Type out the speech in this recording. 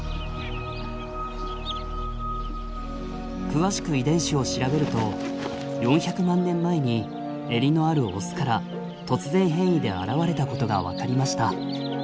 詳しく遺伝子を調べると４００万年前にエリのあるオスから突然変異で現れたことが分かりました。